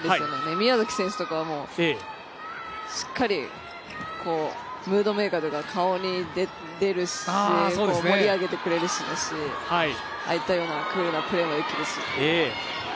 宮崎選手とかはしっかりムードメーカーで顔に出るし、盛り上げてくれるししクールなプレーもできるし。